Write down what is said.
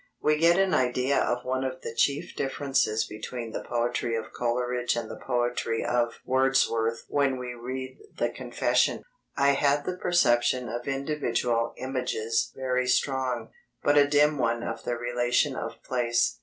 We get an idea of one of the chief differences between the poetry of Coleridge and the poetry of Wordsworth when we read the confession: I had the perception of individual images very strong, but a dim one of the relation of place.